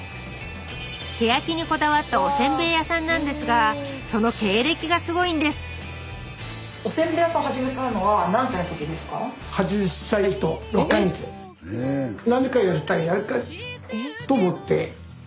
手焼きにこだわったおせんべい屋さんなんですがその経歴がすごいんですえっ